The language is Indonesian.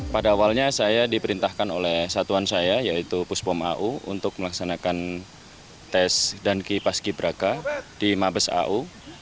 pada awalnya saya diperintahkan oleh satuan saya yaitu puspom au untuk melaksanakan tes dan kipas gibraka di mabes au